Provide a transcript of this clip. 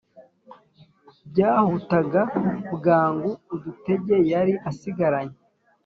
byahutaga bwangu udutege yari asigaranye